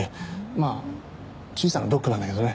まあ小さなドックなんだけどね。